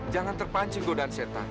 jangan terpancing godaan setan